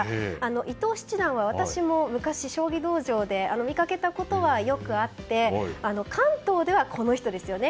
伊藤七段は私も昔、将棋道場で見かけたことがよくあって関東では、この人ですよね。